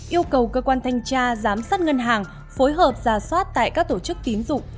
yêu cầu cơ quan thanh tra giám sát ngân hàng phối hợp giả soát tại các tổ chức tín dụng